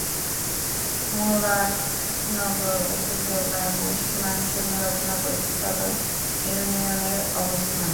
মুরাদনগর উপজেলার পশ্চিমাংশে মুরাদনগর সদর ইউনিয়নের অবস্থান।